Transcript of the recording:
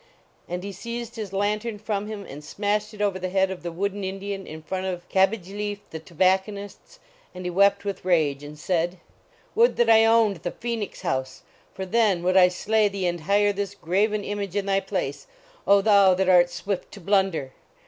And he seized his lantern from him and smashed it over the head of the wooden In dian in front of Kabbijlcef, the Tobacconist s. And he wept with rage, and said: Would that I owned the Phoenix House ! For then would I slay thee and hire this grav en image in thy place, O thou that art swift to blunder!